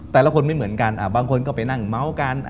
แต่ละคนไม่เหมือนกันบางคนก็ไปนั่งเม้ากัน